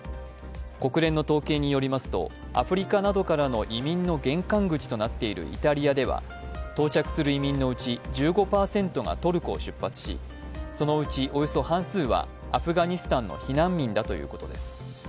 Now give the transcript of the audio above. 国連の統計によりますとアフリカなどからの移民の玄関口となっているイタリアでは到着する移民のうち１５％がトルコを出発しそのうちおよそ半数はアフガニスタンの避難民だということです。